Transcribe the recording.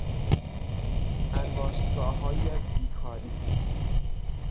انباشتگاههایی از بیکاری